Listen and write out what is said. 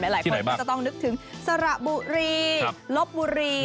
หลายคนก็จะต้องนึกถึงสระบุรีลบบุรี